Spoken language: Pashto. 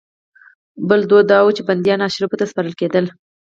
بل دود دا و چې بندیان اشرافو ته سپارل کېدل.